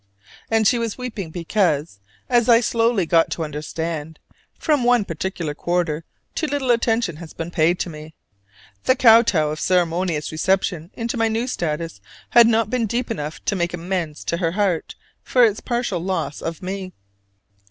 And she was weeping because, as I slowly got to understand, from one particular quarter too little attention had been paid to me: the kow tow of a ceremonious reception into my new status had not been deep enough to make amends to her heart for its partial loss of me.